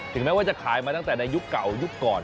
แม้ว่าจะขายมาตั้งแต่ในยุคเก่ายุคก่อน